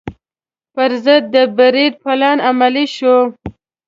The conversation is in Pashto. پر ضد د برید پلان عملي شو.